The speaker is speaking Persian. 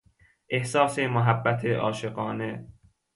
احساس محبت عاشقانه